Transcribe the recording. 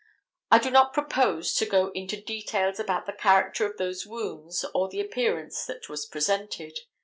I do not propose to go into details about the character of those wounds or the appearance that was presented.